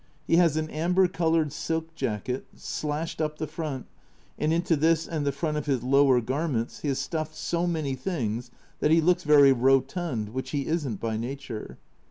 He has an amber coloured silk jacket, slashed up the front, and into this and the front of his lower garments he has stuffed so many things that he looks very rotund, which he isn't by nature.